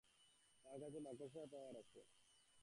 তার কাছে মাকড়সার পাওয়ার রয়েছে।